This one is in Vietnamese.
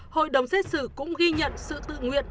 hội đồng xét xử cũng ghi nhận sự tự nguyện